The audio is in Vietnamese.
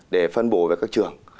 để phân bổ về các trường